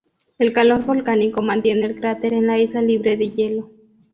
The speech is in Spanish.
El calor volcánico mantiene el cráter en la isla libre de hielo.